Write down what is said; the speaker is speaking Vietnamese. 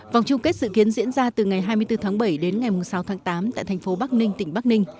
vòng chung kết dự kiến diễn ra từ ngày hai mươi bốn tháng bảy đến ngày sáu tháng tám tại thành phố bắc ninh tỉnh bắc ninh